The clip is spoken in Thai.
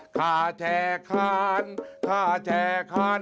ข้าแช่ค้านข้าแช่ค้าน